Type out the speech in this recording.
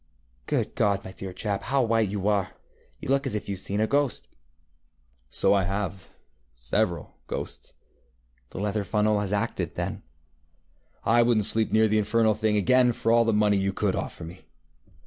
ŌĆ£Good God, my dear chap, how white you are! You look as if you had seen a ghost. ŌĆØ ŌĆ£So I haveŌĆöseveral ghosts. ŌĆØ ŌĆ£The leather funnel has acted, then? ŌĆØ ŌĆ£I wouldnŌĆÖt sleep near the infernal thing again for all the money you could offer me.